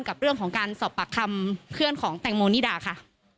กับเรื่องของการสอบปากคำเพื่อนของแตงโมนิดาค่ะ